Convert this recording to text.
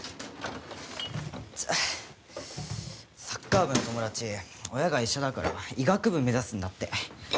サッカー部の友達親が医者だから医学部目指すんだって。